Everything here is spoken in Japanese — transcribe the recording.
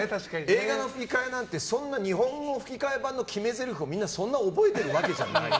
映画の吹き替えなんてそんな日本語吹き替え版の決め台詞をそんなにみんな覚えてるわけじゃない。